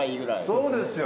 そうですよ。